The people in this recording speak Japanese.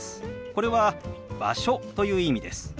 これは「場所」という意味です。